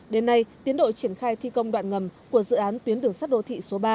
đến nay tiến đội triển khai thi công đoạn ngầm của dự án tuyến đường sắt đô thị số ba